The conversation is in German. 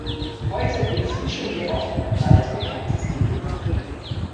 Heute geht es wie schon so oft um ein altbekanntes Thema.